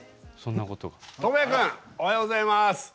倫也君おはようございます。